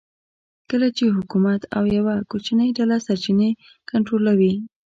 کله چې حکومت او یوه کوچنۍ ډله سرچینې کنټرولوي